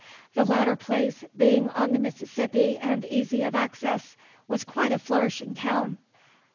The latter place, being on the Mississippi and easy of access, was quite a flourishing town.